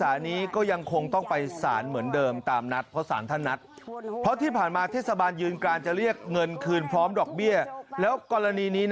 แล้วก็อาจจะให้คุณยายได้รับเบี้ยอยังชีพเหมือนเดิมได้